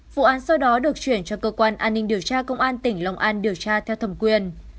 vụ án sau đó được chuyển cho cơ quan an ninh điều tra công an tỉnh long an điều tra theo thẩm quyền